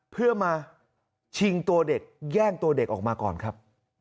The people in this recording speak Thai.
เพื่อมาชิงตัวเด็กแย่งตัวเด็กออกมาก่อนครับ